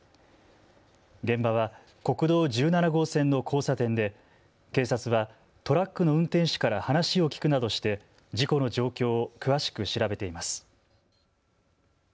現場は国道１７号線の交差点で警察はトラックの運転手から話を聞くなどして事故の状況を詳しく調べています。